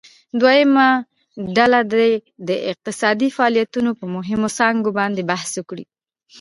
دویمه ډله دې د اقتصادي فعالیتونو په مهمو څانګو باندې بحث وکړي.